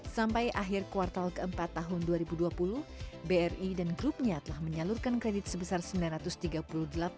sampai akhir kuartal keempat tahun dua ribu dua puluh bri dan grupnya telah menyalurkan kredit sebesar rp sembilan ratus tiga puluh delapan